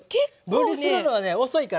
分離するのはね遅いから。